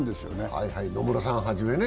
はい、野村さんはじめね。